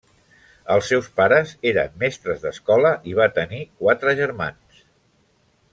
Els seus pares eren mestres d'escola i va tenir quatre germans.